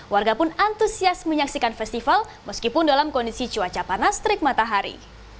warga pun antusias menyaksikan festival meskipun dalam kondisi cuaca panas terik matahari